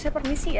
saya permisi ya